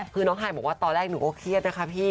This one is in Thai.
คือน้องฮายบอกว่าตอนแรกหนูก็เครียดนะคะพี่